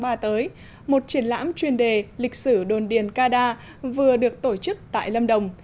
năm ba tới một triển lãm chuyên đề lịch sử đồn điền ca đa vừa được tổ chức tại lâm đồng